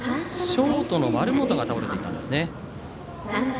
ショートの丸本が倒れていたんですね。